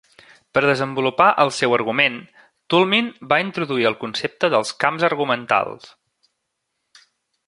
Per desenvolupar el seu argument, Toulmin va introduir el concepte dels camps argumentals.